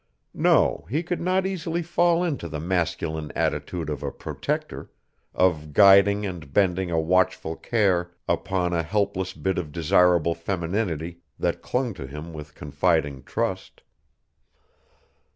No, he could not easily fall into the masculine attitude of a protector, of guiding and bending a watchful care upon a helpless bit of desirable femininity that clung to him with confiding trust.